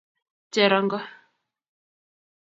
Cherongo